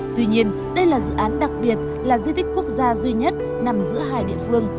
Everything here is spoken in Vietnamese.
tuy nhiên đây là dự án đặc biệt là di tích quốc gia duy nhất nằm giữa hai địa phương